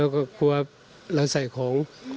ก็กลัวเราใส่ของ